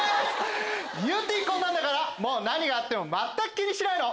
ゆってぃこんなんだから何があっても全く気にしないの。